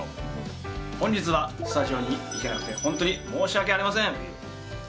本日はスタジオに行けなくて本当に申し訳ありません。